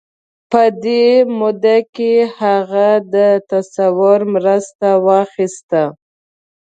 په دې موده کې هغه د تصور مرسته واخيسته.